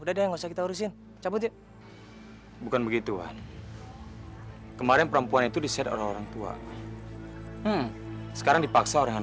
udah urusin cabut bukan begitu kemarin perempuan itu disediakan orangtua sekarang dipaksa orang